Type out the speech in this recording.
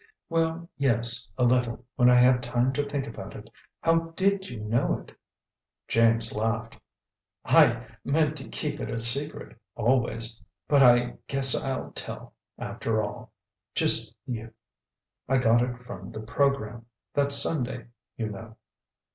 "Well, yes, a little, when I had time to think about it. How did you know it?" James laughed. "I meant to keep it a secret, always; but I guess I'll tell, after all just you. I got it from the program, that Sunday, you know."